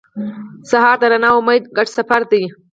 سهار د رڼا او امید ګډ سفر دی.